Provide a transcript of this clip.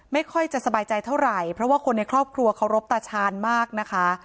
ไม่ค่อยจะสบายใจเท่าไหร่เพราะว่าคนในครอบครัวเคารพตาชาญมากนะคะ